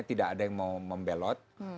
tidak ada yang mau membelot